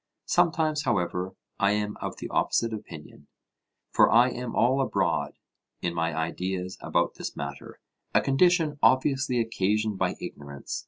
Sometimes, however, I am of the opposite opinion; for I am all abroad in my ideas about this matter, a condition obviously occasioned by ignorance.